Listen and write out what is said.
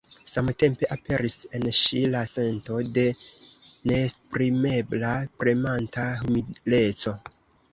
Samtempe aperis en ŝi la sento de neesprimebla premanta humileco.